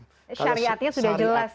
syariatnya sudah jelas ya pak gey